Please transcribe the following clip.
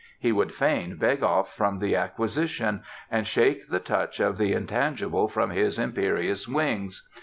He would fain beg off from the acquisition, and shake the touch of the tangible from his imperious wings.